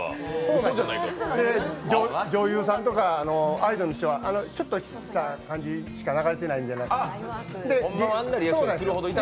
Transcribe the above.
女優さんとか、アイドルの人はちょっとの感じしか流れてなかったんじゃないかって。